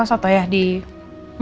oke kita makan dulu ya